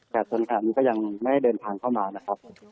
แต่ส่วนแผนนี้ก็ยังไม่ได้เดินทางเข้ามานะครับ